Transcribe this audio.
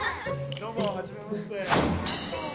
どうもはじめまして。